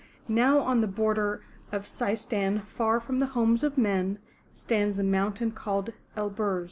Now on the border of Seis tan', far from the homes of men, stands the mountain called Elburz.